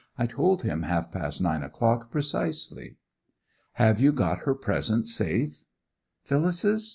I told him half past nine o'clock precisely.' 'Have you got her present safe?' 'Phyllis's?